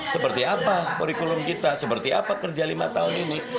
seperti apa kurikulum kita seperti apa kerja lima tahun ini